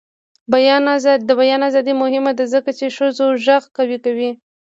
د بیان ازادي مهمه ده ځکه چې ښځو غږ قوي کوي.